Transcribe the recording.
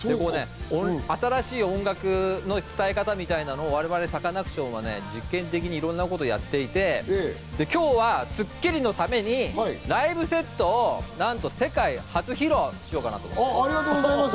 新しい音楽の伝え方みたいなものを我々サカナクションは実験的にいろんなことをやっていて、今日は『スッキリ』のためにライブセットを、なんと世界初披露しありがとうございます。